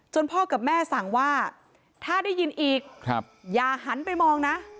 พ่อกับแม่สั่งว่าถ้าได้ยินอีกอย่าหันไปมองนะ